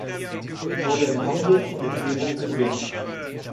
Es wurde in Hamburg und Umgebung gedreht.